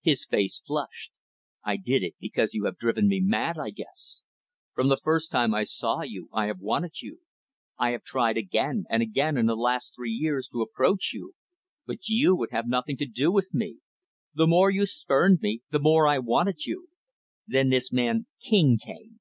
His face flushed. "I did it because you have driven me mad, I guess. From the first time I saw you, I have wanted you. I have tried again and again, in the last three years, to approach you; but you would have nothing to do with me. The more you spurned me, the more I wanted you. Then this man, King, came.